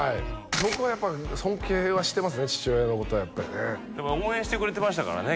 僕はやっぱ尊敬はしてますね父親のことやっぱりね応援してくれてましたからね